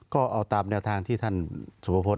ก็เอาตามแนวทางที่ท่านสุภพฤษ